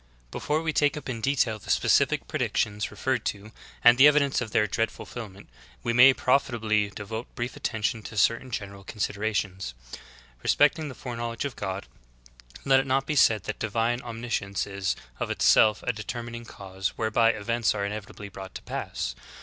7. Before we take up in detail the specific predictions referred to, and the evidence of their dread fulfilment, we may profitably devote brief attention to certain general con siderations. (S.) Respecting the foreknowledge of God, let it not be said that divine omniscience is of itself a determining cause whereby events are inevitably brought to pass.